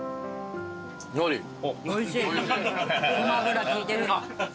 ごま油効いてる。